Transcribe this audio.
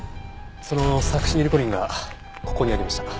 そのサクシニルコリンがここにありました。